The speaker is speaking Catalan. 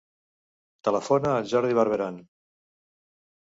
Telefona al Jordi Barberan.